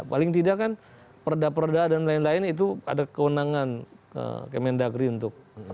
paling tidak kan perda perda dan lain lain itu ada kewenangan kemendagri untuk